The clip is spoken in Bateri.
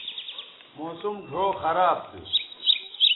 موسم ڙھؤ خراب تھو